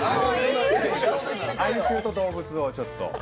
愛愁と動物をちょっと。